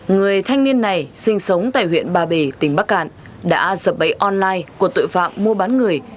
người thanh niên này sinh sống tại huyện ba bể tỉnh bắc cạn đã sập bẫy online của tội phạm mua bán người